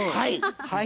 はい。